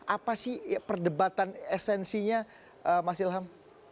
apa sih perdebatan esensinya mas ilham